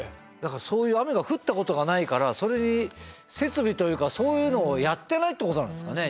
そういう雨が降ったことがないからそれに設備というかそういうのをやってないってことなんですかね？